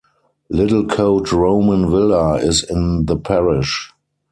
Littlecote Roman Villa is in the parish.